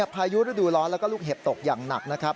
พายุฤดูร้อนแล้วก็ลูกเห็บตกอย่างหนักนะครับ